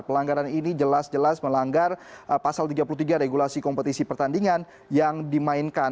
pelanggaran ini jelas jelas melanggar pasal tiga puluh tiga regulasi kompetisi pertandingan yang dimainkan